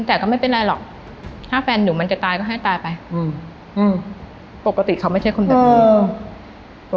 แต่ก็ไม่เป็นไรหรอกถ้าแฟนหนูมันจะตายก็ให้ตายไปอืมอืมปกติเขาไม่ใช่คนแบบนี้อืม